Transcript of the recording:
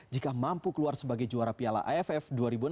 jika mampu keluar sebagai juara piala aff dua ribu enam belas